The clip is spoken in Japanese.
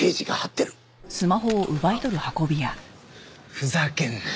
ふざけんな。